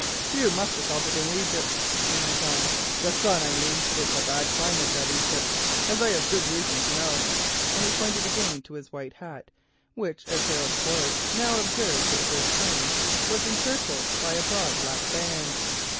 "You must have felt it in Egypt," he went on —"the sun I mean. It's a bad climate, that Egypt, as I have good reason to know," and he pointed again to his white hat, which Harold Quaritch now observed for the first time was encircled by a broad black band.